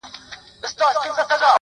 بریا د عادتونو پایله ده!